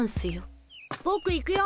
ぼく行くよ。